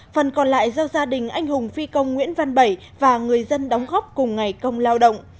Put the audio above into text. phần còn lại do gia đình anh hùng phi công nguyễn văn bảy và người dân đóng góp cùng ngày công lao động